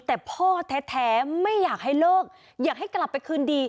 แต่พ่อแท้ไม่อยากให้เลิกอยากให้กลับไปคืนดี